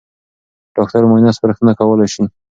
ډاکټر معاینه سپارښتنه کولای شي.